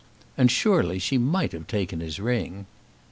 And surely she might have taken his ring!